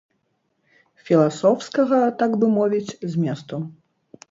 Філасофскага, так бы мовіць, зместу.